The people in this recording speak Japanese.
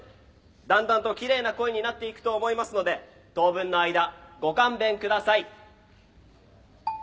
だんだんと奇麗な声になっていくと思いますので当分の間ご勘弁ください。